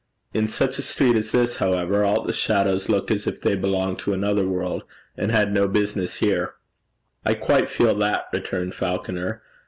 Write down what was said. In such a street as this, however, all the shadows look as if they belonged to another world, and had no business here.' 'I quite feel that,' returned Falconer.